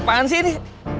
apaan sih ini